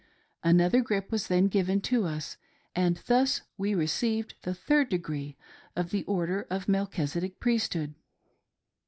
Another grip was then given to us, and thus we received the third degree of the Order of Melchisedec Priesthood.